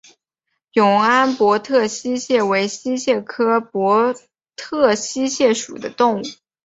永安博特溪蟹为溪蟹科博特溪蟹属的动物。